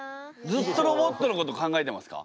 ずっとロボットのこと考えてますか？